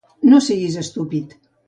No siguis estúpid.